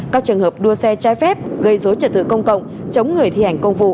các trường hợp đua xe trái phép gây dối trật tự công cộng chống người thi hành công vụ